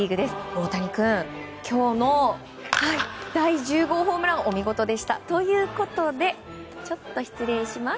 オオタニくん今日の第１０号ホームランお見事でした！ということでちょっと失礼します。